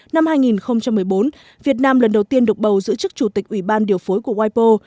năm hai nghìn một mươi bốn việt nam lần đầu tiên được bầu giữ chức chủ tịch ủy ban điều phối của wipo